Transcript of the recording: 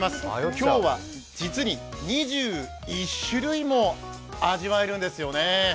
今日は実に２１種類も味わえるんですよね。